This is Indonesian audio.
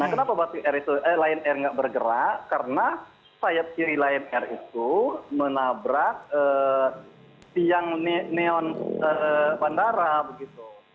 nah kenapa batik air itu lion air enggak bergerak karena sayap kiri lion air itu menabrak siang neon bandara begitu